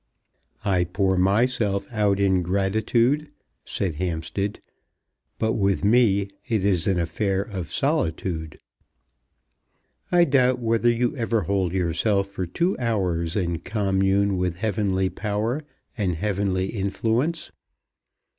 "I pour myself out in gratitude," said Hampstead; "but with me it is an affair of solitude." "I doubt whether you ever hold yourself for two hours in commune with heavenly power and heavenly influence.